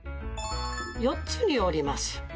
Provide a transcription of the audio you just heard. ４つに折ります。